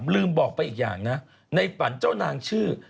ลืมบอกไปอีกอย่างนะในฝันเจ้านางชื่อ